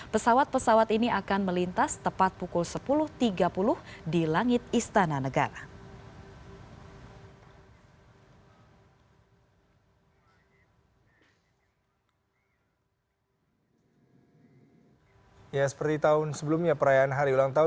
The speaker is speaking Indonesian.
pesawat pesawat ini akan melintas tepat pukul sepuluh tiga puluh di langit istana negara